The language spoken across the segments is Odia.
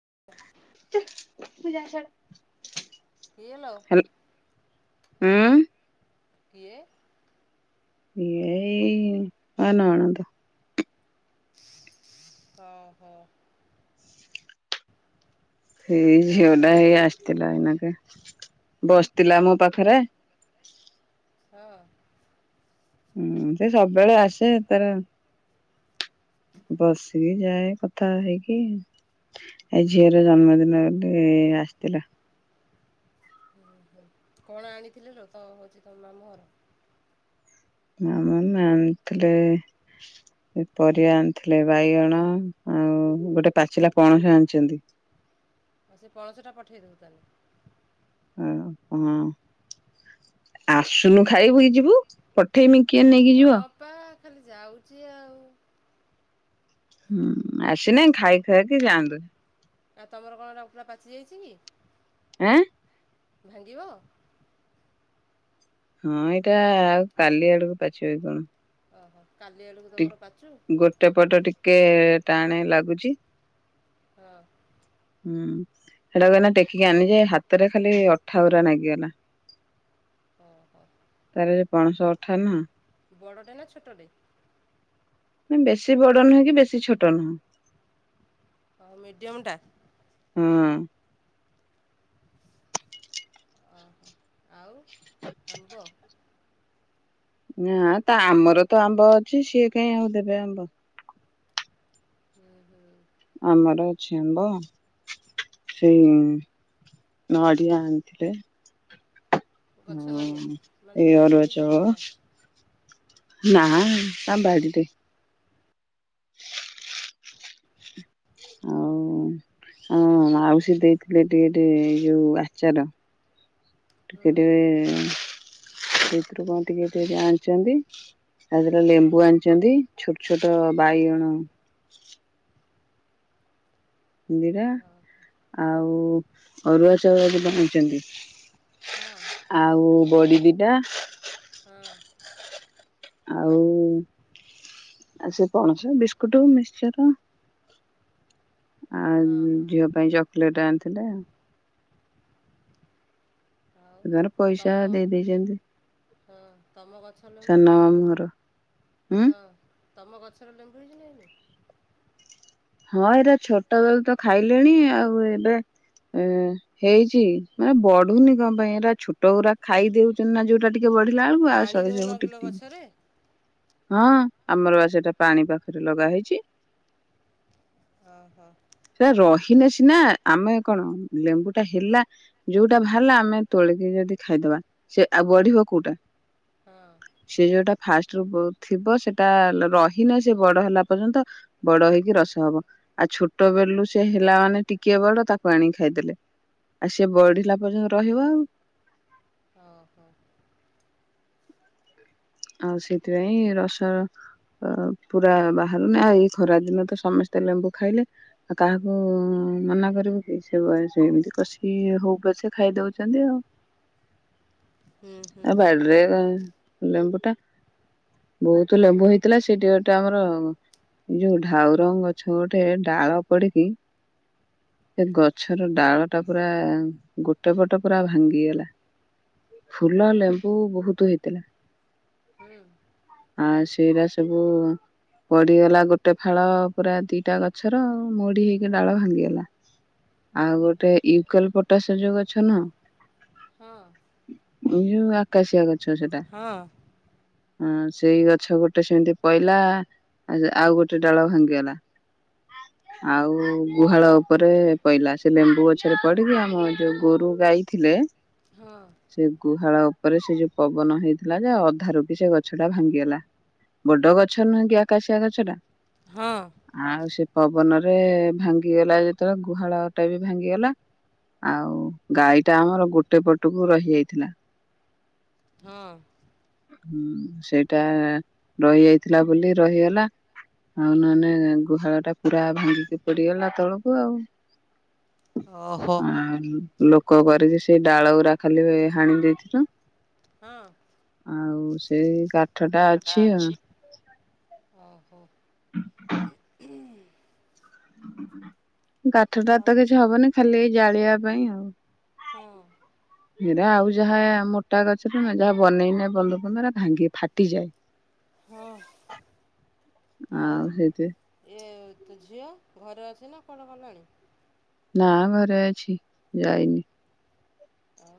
[unintelligible] ହ୍ୟାଲ କିଏ ଲୋ ହୁଁ କିଏ? ଏଇ ଆ ନଣନ୍ଦ ଓଃ ହୋ ସେଇ ଝିଅଟା ହେଇ ଆସିଥିଲା ଏଇନାକେ ବସିଥିଲା ମୋ ପାଖରେ ହଁ ହୁଁ ସେ ସବୁବେଳେ ଆସେ ତାର ବସିକି ଯାଏ କଥା ହେଇକି ଏ ଝିଅର ଜନ୍ମଦିନ ବୋଲି ଆସିଥିଲା ହୁଁ ହୁଁ କଣ ଆଣିଥିଲ ର ତ ହଉଛି ତମ ମାମୁଁ ଘର ମାମ ମା ଆଣିଥିଲେ ପରିବା ଆଣିଥିଲେ ବାଇଗଣ ଆଉ ଗୋଟେ ପାଚିଲା ପଣସ ଆଣିଛନ୍ତି ଆଉ ସେ ପଣସଟା ପଠେଇ ଦୋବୁ ତାହେଲେ। [unintelligible] ଆସୁନୁ ଖାଇବୁଇ ଯିବୁ। ପଠେଇମି କିଏ ନେଇକି ଯିବ? ହଁ ପା ଖାଲି ଯାଉଚି ଆଉ। ହୁଁ ଆସିନେ ଖାଇ ଖୁଆକି ଯାଆନ୍ତୁ। ଆଉ ତମର କଣ ହେରାକ ପୁରା ପାଚି ଯାଇଚି କି? ଆଁ ଭାଙ୍ଗିବ। ହଁ ଏଇଟା ଆଉ କାଲି ଆଡକୁ ପାଚିବ କି କଣ। ଓହୋ କାଲି ଆଡ଼କୁ ଟି ତମର ପାଚୁ ଗୋଟେ ପଟ ଟିକେ ଟାଣେ ଲାଗୁଚି। ହଁ। ହୁଁ ହେଟାକୁ ଏଇନା ଟେକିକି ଆଣିନି ଯେ ହାତରେ ଖାଲି ଅଠା ଉରା ନାଗିଗଲା। ଓହୋ [unintelligible] ପାଣସ ଅଠା ନା। ବଡଟେ ନା ଛୋଟଟେ? ନାଇଁ ବେଶୀ ବଡ ନୁହେଁ କି ବେଶୀ ଛୋଟ ନୁହେଁ। ଅ ମିଡିୟମ ଟା? ହୁଁ। ଓହୋ। ଆଉ ଆମ୍ବ ନା ତ ଆମର ତ ଆମ୍ବ ଅଛି ସିଏ କାଇଁ ଆଉ ଦେବେ ଆମ୍ବ। ହୁଁ ହୁଁ। ଆମର ଅଛି ଆମ୍ବ ସେଇ ନଡିଆ ଆଣିଥିଲେ। ଗଛ ହଁ ନଡ଼ିଆ ମାନେ ଏ ଯେଉଁ ବାଡ଼ିରେ ଅରୁଆ ହେଇଛି ନା ଚାଉଳ କିଣା ନା ଆମ ବାଡ଼ି। ଟେ ଆଉ ଅଁ ଆମ ମାଉସୀ ଦେଇଥିଲେ ଟିକେ ଟିକେ ଯୋଉ ଆଚାର। ହୁଁ ଟିକେ ଟିକେ ସେତରୁ କଣ ଟିକେ ଟିକ ଆଣିଚନ୍ତି ତାଧେରେ ଲେମ୍ବୁ ଆଣିଚନ୍ତି ଛୋଟ ଛୋଟ ବାଇଗଣ ନ୍ଦିରା ହଁ ଆଉ ଅରୁଆ ଚାଉଳ ଦିଟା ଆଣିଚନ୍ତି। ହଁ ଆଉ ବଡ଼ି ଦିଟା ହଁ। ଆଉ ଆ ସେ ପଣସ ବିସ୍କୁଟ ମିକ୍ଚର ହଁ ଆଉ ହଁ ଝିଅ ପାଇଁ ଚକୋଲେଟ ଆନ୍ତି ଥିଲା। ଆଉ ସେ ତାଙ୍କର ଆଉ ତମ ପଇସା ଦେଇ ଦେଇଚନ୍ତି। ହଁ ତମ ଗଛ ଲେମ୍ବୁ ଘର ହୁଁ ହଁ ତମ ଗଛରେ ଲେମ୍ବୁ ହେଇଛି ନାଇନି ହଁ ଏଇରା ଛୋଟବେଳୁ ତ ଖାଇଲେଣି ଆଉ ଏବେ ଏଁ ହେଇଚି ମାନେ ବଢୁନି କଣ ପାଇଁ ଏଇରା ଛୋଟ ଗୁରା ଖାଇଦଉଚନ୍ତି ନା ଯୋଉଟା ଟିକେ ଟିକେ ବଢିଲା ବେଳକୁ ଆଉ ପାଣି ସହଜେ ଦଉନ ସବୁ ଟିକ କିଲୋ ଗଛରେ ଟିକ ହଁ। ଆମର ବା ସେଟା ପାଣି ପାଖରେ ଲଗା ହେଇଚି। ଓହୋ ସେ ରହିନେ ସି - ନା ଆମେ କଣ ଲେମ୍ବୁ ଟା ହେଲା ଯୋଉଟା ବାହାରଲା ଆମେ ତୋଳିକି ଯଦି ଖାଇଦବା ସେ ଆଉ ବଢିବ କୋଉଟା ହଁ ସେ ଯେଉଟା ଫାଷ୍ଟ ଥିବ ସେଟା ରହିନାହିଁ ସେ ବଡ ହେଲା ପର୍ଯ୍ୟନ୍ତ ବଡ ହେଇକି ରସ ହବ ଆଉ ଛୋଟ ବଳୁ ସେ ହେଲା ମାନେ ଟିକଏ ବଡ ତାକୁ ଆଣିକି ଖାଇଦେଲେ ଆଉ ସେ ବଢିଲା ପର୍ଯ୍ୟନ୍ତ ରହିବ ଆଉ ଓ ହୋ ଆଉ ସେଥିପାଇଁ ରସ ପୁରା ବାହାରୁନି ଆଉ ଏଇ ଖରା ଦିନ ତ ସମସ୍ତେ ଲେମ୍ବୁ ଖାଇଲେ ଆଉ କାହାକୁ ମନା କରିବୁ କି ଏମିତି କଷି ହଉପଛେ ଖାଇ ଦଉଛନ୍ତି ଆଉ ହୁଁ ହୁଁ ଆ ବାଡ଼ିରେ ବହୁତ ଲେମ୍ବୁ ହେଇଥିଲା ସେଠି ଗୋଟେ ଆମର ଯୋଉ ଢାଉରଙ୍ଗ ଗଛ ଗୋଟେ ଡାଳ ପଡିକି ସେ ଗଛର ଡାଳ ଟା ପୁରା ଗୋଟେ ପଟ ପୁରା ଭାଙ୍ଗିଗଲା ଫୁଲ ହଁ ଲେମ୍ବୁ ବହୁତ ହେଇଥିଲା। ହୁଁ। ଆଉ ସେଇରା ସବୁ ପଡିଗଲା ଗୋଟେ ଫାଳ ପୁରା ଦିଟା ଗଛର ମୋଡି ହେଇକି ଡାଳ ଭାଙ୍ଗିଗଲା ଆଉ ଗୋଟେ ୟୁକେଲ ପଟାସ ଯୋଉ ଗଛ ନୁହଁ। ହଁ। ଏଇ ଜଉ ଆକାଶିଆଗଛ। ଛଅ ସେଟା। ହଁ ହ ସେଇ ଗଛ ଗୋଟେ ସେମିତି ପଇଲା ଆ ଆଉ ଗୋଟେ ଡାଳ ଭାଙ୍ଗିଗଲା ଆଉ ଗୁହାଳ ପରେ ପଇଲା ସେ ଲେମ୍ବୁ ଗ ପଛରେ ପଡିକି ଆମ ଯୋଉ ଗୋରୁ ଗାଈ ଥିଲେ। [inaudible] ସେ ଗୁ ହାଳ ଉପରେ ସେ ଯୋଉ ପବନ ହେଇଥିଲା ଯା ଧାରୁ କି ସେ ଗଛ ଟା ଭାଙ୍ଗିଗଲା ବଡ ଗଛ ନୁହେଁ କି ଆକାଶିଆ ଗଛ ଟା। ହଁ ଆଉ ସେ ପବନ ଭାଙ୍ଗିଗଲା ଯେତେବେଳେ ଗୁହାଳ ଟା ବି ଭାଙ୍ଗିଗଲା ଆଉ ଗାଈ ଟା ଆମର ଗୋଟେ ପଟକୁ ରହି ଯାଇଥିଲା। ହଁ। ହଁ ସେଇଟା ରହିଯାଇଥିଲା ବୋଲି ରହିଗଲା ଆଉ ନହେଲେ ଗୁହାଳ ଟା ପୁରା ଭାଙ୍ଗିକି ପଡିଗଲା ତଳକୁ ଆଉ। ଓହୋ। ଆ ଲୋକ କରିକି ସେଇ ଡାଳ ଗୁୁରା ଖାଲି ହାଣି ଦେଇଥିଲୁ। ହଁ [inaudible] ଆଉ ସେଇ ଗ ଛ ଟା ଅଛି ଆଉ। ହୁଁ। [inaudible] କାଠଟା ତ କିଛି ହବନି ଖାଲି ଜାଳିବା ପାଇଁ ଆଉ ହଁ [inaudible] ଏରା ଆଉ ଯାହା ମୋଟା ଗଛରେ ଯାହା ବନେଇନ ବନ୍ଧ ଫନ୍ଧ ଭାଙ୍ଗି ହଁ ଫାଟିଯାଏ [inaudible] ଆଉ ସେଇଥି ତ ଝିଅ ଘରେ ଅଛି ନା କୁଆଡ଼େ ଗଲାଣି। ନା ଘରେ ଅଛି ଯାଇନି। ଆଉ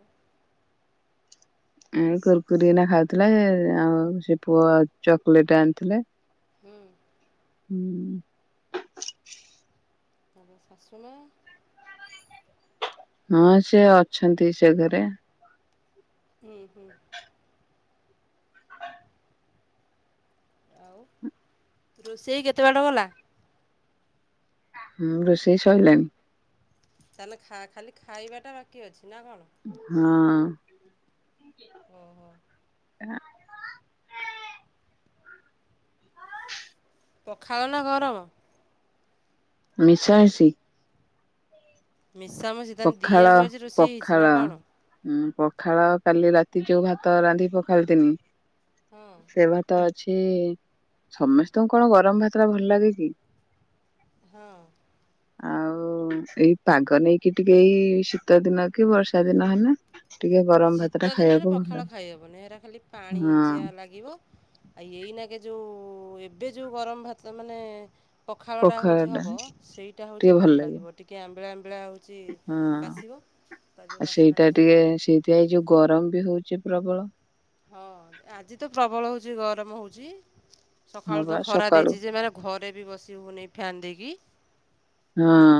କୁରକୁରିନା ଖାଉଥିଲା ଆଉ ସେ ପୁଅ ଚକୋଲେଟ ଆଣିଥିଲେ। ହୁଁ। ହୁଁ। ଆ ତୋ ଶାଶୁମା? ହଁ ସେ ଅଛନ୍ତି ସେ ଘରେ। ହୁଁ ହୁଁ। ଆଉ ରୋଷେଇ କେତେ ବାଟ ଗଲା? ହୁଁ ରୋଷେଇ ସଇଲଣି। ତାହାଲେ ଖାଲି ଖାଇବାଟା ବାକି ଅଛି ନା କଣ? ହଁ। ଓ ହୋ। ହ ପଖାଳ ନା ଗରମ? ମିଶା ହେଶି। ମିଶାମିଶି ତାହେଲେ ଦି ପଖାଳ ଆଡୁ ଆଜି ରୋଷେଇ ହେଇଛି ପଖାଳ। ନା କଣ? ଉଁ ପଖାଳ କାଲି ରାତି ଯୋଉ ଭାତ ରାନ୍ଧି ପଖାଳ ଥିନି ହଁ ସେ ଭାତ ଛି ସମସ୍ତଙ୍କୁ କଣ ଗରମ ଭାତଟା ଭଲ ଲାଗେ କି ହଁ ଆଉ ସେଇ ପାଗ ନେଇକି କି ଟିକେ ଏଇ ଶୀତ ଦିନ କି ବର୍ଷା ଦିନ ହେଲା ଶୀତ ଦିନରେ ପଖାଳ ଖାଇହବନି ସେଟା ଖାଲି ହଁ ପାଣିଚିଆ ଲାଗିବ ଆଉ ଏଇନାକେ ଯେଉଁ ଏବେ ଯେଉଁ ଗରମ ଭାତ ମାନେ ପଖାଳ ଟା ହୋଉଚି ହବ ସେଇଟା ହୋଉଚି ଭଲ ଲାଗିବ ଟିକେ ଆମ୍ବିଳା ଆ ମ୍ବିଳା ହେଉଚି ହଁ ବାଶିବ ତା ଯୋଉ ଆଉ ସେଇଟା ବାସ୍ନାଟା ଟିକେ ଭଲ ସେଇଥିପାଇଁ ଯୋଉ ଗରମ ବି ହୋଉଚି ପ୍ରବଳ। ହଁ ଆଜି ତ ପ୍ରବଳ ହୋଉଚି ଗରମ ହୋଉଚି। ହଁ ସକାଳୁ ବା ତ ଖରା ସକାଳୁ ଦେଇଚି ଯେ ମାନେ ଘରେ ବି ବସି ହୋଉନି ଫ୍ୟାନ୍ ଦେଇକିି। ହଁ।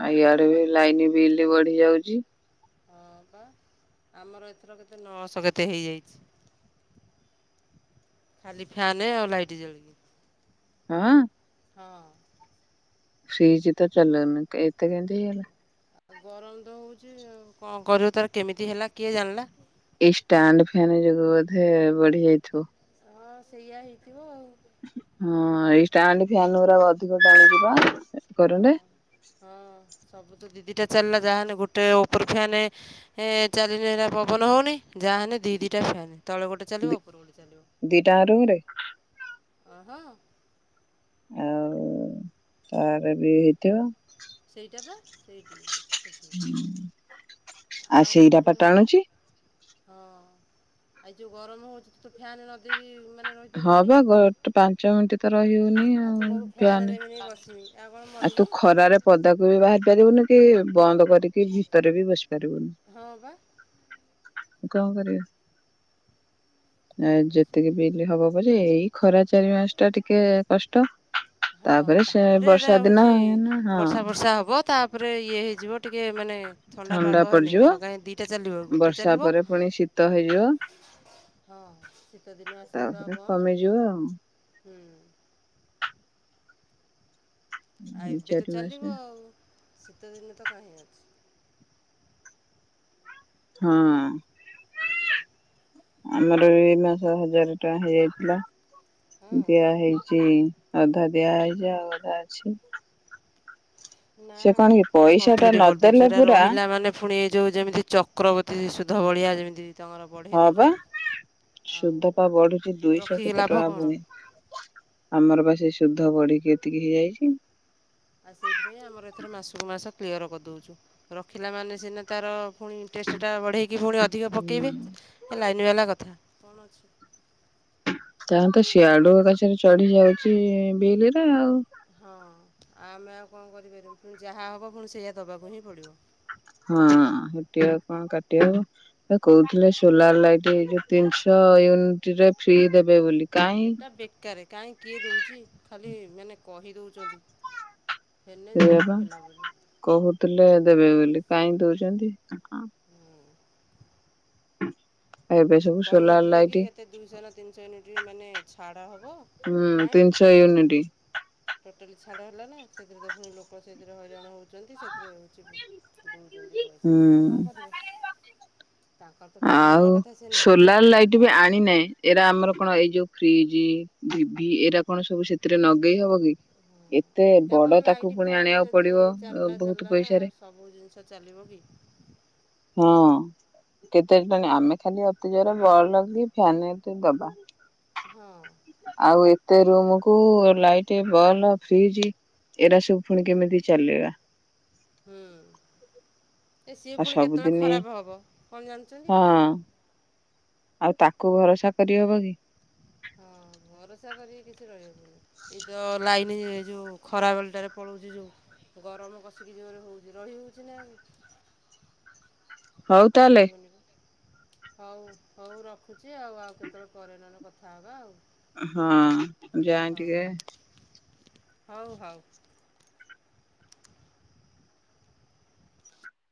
ଆଉ କଣ ଇଆଡେ ବି କରିବୁ ଲାଇନି ବିଲ୍ ବଢି ଯାଉ [inaudible] ହଁ ପା ଆମର ଏଥର କେତେ ନ‌ଅଶହ କେତେ ହେଇଯାଇଚି ଖାଲି ଫ୍ୟାନେ ଆଉ ଲାଇଟ୍ ଜଳିକି। ହଁ। ହଁ। ଫ୍ରିଜ ତ ଚାଲୋଉନୁ ଏତେ କେମିତି ହେଇଗଲା। ଆଉ ଗରମ ତ ହୋଉଚି ଆଉ କଣ କରିବୁ ତାର କେମିତି ହେଲା କିଏ ଜାଣିଲା। ଏଇ ଷ୍ଟାଣ୍ଡ ଫ୍ୟାନ ଯୋଗୁ ବୋଧେ ବଢିଆଇଥିବ। ହଁ ସେଇଆ ହେଇଥିବ ଆଉ। ହଁ ଏଇ ଷ୍ଟାଣ୍ଡ ଫ୍ୟାନ ଗୁରା ଅଧିକ ଟାଣୁଚିପା। ଏ ହଁ। କରେଣ୍ଟ ହଁ ସବୁ ତ ଦି ଦିଟା ଚାଲିଲା ଯାହ ହେଲେ ଗୋଟେ ଉପର ଫ୍ୟାନେ ଏଁ ଚାଲିଲେ ହେରା ପବନ ହୋଉନି ଯାହାହେଲେ ଦିଇ ଦିଇଟା ଫ୍ୟାନ୍। ତଳେ ଗୋଟେ ଚାଲିବ ଦି ଉପର ଗୋଟେ ଦିଟା ରୁମରେ ଅହଂ ଆଉ ତାର ବି ହେଇଥିବ। ସେଇଟା ବା ସେଇଠି ସେଠି ଆଉ କେଉଁଠି ସେଇଟାପା ହେବ ଟାଣୁଛି। ହଁ ଆଉ ଯେଉଁ ଗରମ ହେଉଛି ତୋ ଫ୍ୟାନ୍ ନ ଦେଇେଇକି ହଁପା ଗ ପାଞ୍ଚ ମିନିଟ ତ ରହି ହଉନି। ଆଉ ତୁ କବୁ ଫ୍ୟାନ୍ ଦେବିନି ବସିବି। କଣ ଆଉ ତୁ ମରିବୁ ଖରାରେ ପଦାକୁ ବି ବାହାରି ବ ପାରିବୁନି କି ବନ୍ଦ କରିକି ଭିତରେ ବି ବସି ପାରିବୁନି। ହଁ ବା। କଣ କରିବ ଆ ଯେତିକି ବିଲ ହବ ପଛେ ଏଇ ଖରା ଚାରି ମାସ ଟା ଟିକେ କଷ୍ଟ। ତାପରେ ସେ ବର୍ଷ ଟା ହଉଛି ବର୍ଷା ବର୍ଷା ହବ ତାପରେ ଇଏ ହେଇଯିବ ଟିକେ ମାନେ ଥଣ୍ଡା ପାଗ ହେନି ଆଉ କାଁ ଦିଟା ଚାଲିବ ଗୋଟେ ବର୍ଷା ଚାଲିବ ପରେ ପୁଣି ଶୀତ ହେଇଯିବ। ହଁ ଶୀତ ଦିନ ଆସିଲେ ତ ଆଉ ତାପରେ ବନ୍ଦ। କମିଯିବ ଆଉ ହୁଁ। ଆଉ ଦୁଇ ଏବେ ତ ଚାରି ମାସ ଚାଲିବ ଆଉ ଶୀତ ଦିନ ତ କାହିଁ ଅଛି। ହଁ। ଆମର ଏଇ ମାସ ହଜାର ଟଙ୍କା ହେଇଯାଇଥିଲା। ହଁ ଦିଆ ହେଇଛି। ଅଧା ଦିଆଯାଇଛି ଆଉ ଅଧା ଅଛି। ନା ସେ କଣ କି ଆମର ପୁରା ପଇସା ଟା କମ୍ପ୍ଲିଟ ନଦେଲେ କରିଦଉଚୁ ପୁରା ରହିଲା ମାନେ ପୁଣି ଏଇ ଯୋଉ ଯେମିତି ଚକ୍ରବର୍ତୀ ସୁ ଅଧ ଭଳିଆ ଯେମିତି ତାଙ୍କର ବଢ଼େଇ ହଁ ବା ଦେଉଛନ୍ତି ଆଉ ସୁଦ୍ଧ ପା ବଢୁଛି ଦୁଇଶହ ରଖିକି କେତେ ଲାଭ ଟଙ୍କା କଣ ପୁଣି ଆଉ ଆମର ବା ସେ ଶୁଦ୍ଧ ବଢିକି ଏତିକି ହେଇଯାଇଛି। ଆଉ ସେଇଥିପାଇଁ ଆମର ଏଥର ମାସକୁ ମାସ କ୍ଲିୟର କରିଦେଉଛୁ ରଖିଲା ମାନେ ସିନା ତାର ପୁଣି ଇଣ୍ଟରେଷ୍ଟଟା ବଢ଼େଇ କି ପୁଣି ଅଧିକ ହୁଁ ପକେଇବେ ହେ ଲାଇନ ବାଲା କଥା। କଣ ଅଛି। ଯହା ତ ସିଆଡୁ ଗାଛରେ ଚଢି ଯାଉଛି ବିଲରେ ଆଉ। ହଁ ଆଉ ଆମେ ଆଉ କଣ କରିପାରିବୁ ପୁଣି ଯାହା ହବ ପୁଣି ସେଇଆ ଦବାକୁ ହିଁ ପଡିବ। ହଁ ସେଠ ଆ କଣ କାଟିବ କହୁଥିଲେ ସୋଲାର ଲାଇଟ୍ ଏ ଯୋଉ ତିନିଶହ ୟୁନିଟ ରେ ଫ୍ରି ଦେବେ ବୋଲି। କାହିଁ ସେଟା ବେକାର କାହିଁ କିଏ ଦଉଛି ଖାଲି ମାନେ କହିଦଉଛନ୍ତି। ସେୟା ବା। କହୁଥିଲେ ଦେବେ ବୋଲି କାହିଁ ଦଉଛନ୍ତି। ଏବେ ସବୁ ସୋଲାର କହିନଥିଲେ ଲାଇଟ କି କେତେ ଦୁଇଶହ ନା ତିନିଶହ ୟୁନିଟ ମାନେ ଛାଡ଼ ହେବ ହୁଁ, କାଇଁ ତିନିଶହ ୟୁନିଟି। ଟୋଟାଲି ଛାଡ଼ ହେଲା ନା, ସେଥିରେ ତ ପୁଣି ଲୋକ ସେଥିରେ ହଇରାଣ ହଉଛନ୍ତି, ସେଥିରେ ରହୁଛି ଦଉଚନ୍ତି ହୁଁ ପଇସା। ଆଉ କଣ କରିବେ? ତାଙ୍କର ତ ପଇସା ଆଉ ନବା କଥା ସିଏ ନେବେ ସୋଲାର ଲାଇଟ୍ ବି ଆଣିନାହିଁ। ଏଇରା ଆମର କଣ ଏଇ ଯୋଉ ଫ୍ରିଜି, ଟିଭି ଏଇରା କଣ ସବୁ ସେଥିରେ ଲଗେଇ ହବ କି? ଏତେ ଏଇଟା ବଡ କଣ ତାକୁ ଲାଇଟ୍, ପୁଣି ଫ୍ୟାନ୍ ଆଣିବାକୁ ଯଦି ପଡିବ ଚାଲିଲା, ବହୁତ ଚାଲିଲା ନା, ପଇସାରେ ଆଉ ସବୁ ଜିନିଷ ଚାଲିବ କି? ହଁ କେତେ ଟାଣିବ? ଆମେ ଖାଲି ଅତି ଜୋରେ, ବଲ କି ଫ୍ୟାନ ଏତେ ଦବା ହଁ। ଆଉ ଏତେ ରୁମକୁୁ ଲାଇଟ୍, ବଲ୍, ଫ୍ରିଜ୍ ଏଇରା ସବୁ ଫୁଣି କେମିତି ଚଲେଇବା? ହୁଁ। ଏ ସିଏ ଆଉ ଫୁଣି କେତେବେଳେ ସବୁଦିନ ଖରାପ ହବ, କଣ ହଁ ଜାଣିଛନ୍ତି? ଆଉ ତାକୁ ଭରସା କରିହବ କି? ହଁ, ଭରସା କରିକି କିଛି ରହି ଏତ ଲାଇନ ନି ଯୋଉ ଖରାବେଳଟାରେ ପଳଉଛି, ଯୋଉ ଗରମ କଷିକି ଜୋରେ ହୋଉଛି ରହି ହୋଉଛି, ନା ହଉ ତାହେଲେ ରହିହବନି ବା। ହଉ ହଉ ରଖୁଛି, ଆଉ ଆଉ କେତେବେଳେ ପରେ ନଲେ କଥା ହବା ଆଉ। ହଁ, ଯାଏଁ ହଉ ଟିକେ ହଉ ହଉ।